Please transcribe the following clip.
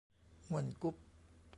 ม่วนกุ๊บ